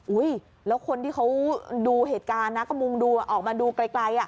แล้วคนที่เขาดูเหตุการณ์นะก็มุ่งดูออกมาดูไกล